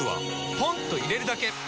ポンと入れるだけ！